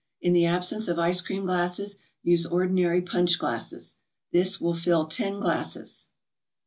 In the absence of ice cream glasses, use ordinary punch glasses. This will fill ten glasses.